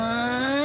ini apaan sih